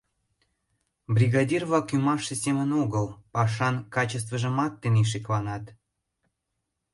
Бригадир-влак ӱмашсе семын огыл, пашан качествыжымат тений шекланат.